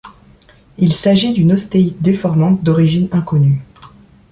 Il s'agit d'une ostéite déformante d'origine inconnue.